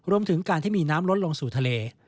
รวมถึงการที่มีน้ำลดลงสู่ทะเล